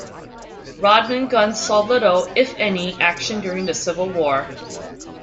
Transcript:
Rodman guns saw little, if any, action during the Civil War.